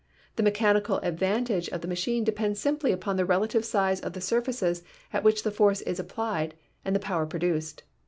The mechanical advan tage of this machine depends simply upon the relative size of the surfaces at which the force is applied and the power produced.